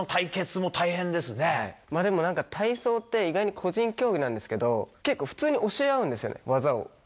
でも何か体操って意外に個人競技なんですけど結構普通に教え合うんですよね技を。